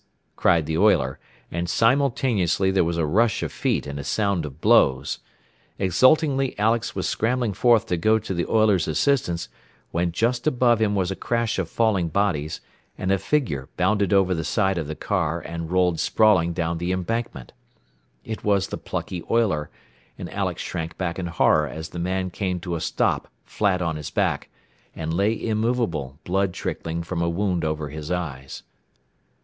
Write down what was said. cried the oiler, and simultaneously there was a rush of feet and a sound of blows. Exultingly Alex was scrambling forth to go to the oiler's assistance, when just above him was a crash of falling bodies, and a figure bounded over the side of the car and rolled sprawling down the embankment. It was the plucky oiler, and Alex shrank back in horror as the man came to a stop flat on his back, and lay immovable, blood trickling from a wound over his eyes.